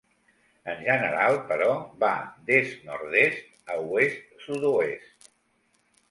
En general, però, va d'est-nord-est a oest-sud-oest.